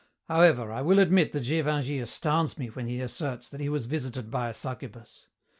"However, I will admit that Gévingey astounds me when he asserts that he was visited by a succubus.